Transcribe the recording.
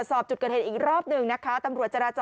สุดยอดดีแล้วล่ะ